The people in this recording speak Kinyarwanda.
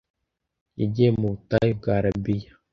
Yagiye mu butayu bwa Arabiya